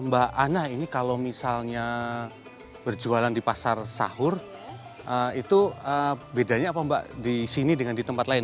mbak ana ini kalau misalnya berjualan di pasar sahur itu bedanya apa mbak di sini dengan di tempat lain